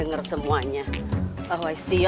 hal ini menebak nengel nanti